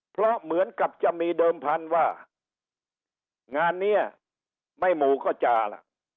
เพราะเหมือนกับจะมีเดิมพันธุ์ว่างานนี้ไม่หมู่ก็จาล่ะ